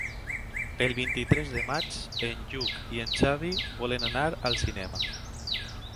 El vint-i-tres de maig en Lluc i en Xavi volen anar al cinema.